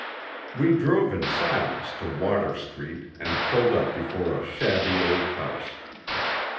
We drove in silence to Water Street and pulled up before a shabby old house.